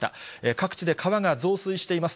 各地で川が増水しています。